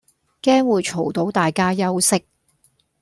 驚會嘈到大家休息